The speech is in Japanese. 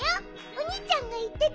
おにいちゃんがいってた。